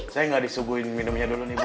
saya nggak disuguhin minumnya dulu nih